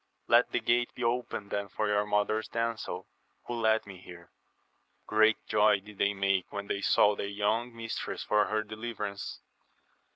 — ^Letthe gate be opened then for your mother's damsels, who led me here* Great joy did they make when they saw their young mistress for her deUverance.